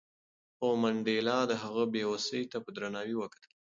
خو منډېلا د هغه بې وسۍ ته په درناوي وکتل.